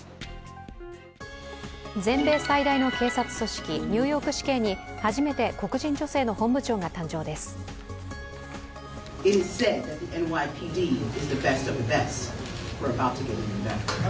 全米最大の警察組織、ニューヨーク市警に初めて黒人女性の本部長が誕生です。